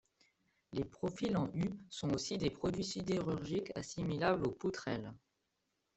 Les profils en U sont aussi des produits sidérurgiques assimilables aux poutrelles.